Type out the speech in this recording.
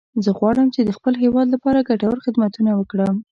زه غواړم چې د خپل هیواد لپاره ګټور خدمتونه وکړم